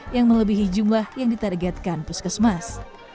yang melebihi jumlah yang ditargetkan puskesmas